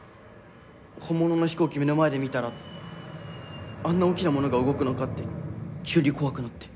本物の飛行機目の前で見たらあんな大きなものが動くのかって急に怖くなって。